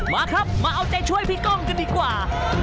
มาครับมาเอาใจช่วยพี่ก้องกันดีกว่า